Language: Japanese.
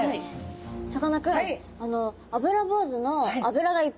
さかなクン。